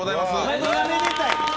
何がめでたいん？